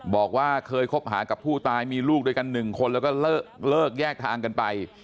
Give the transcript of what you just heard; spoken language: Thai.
บอกว่าเคยคบหากับผู้ตายมีลูกด้วยกัน๑คนแล้วก็เลิกแยกทางกันไป